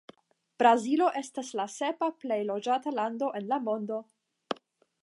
Brazilo estas la sepa plej loĝata lando en la mondo.